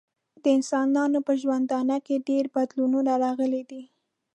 د انسانانو په ژوندانه کې ډیر بدلونونه راغلي دي.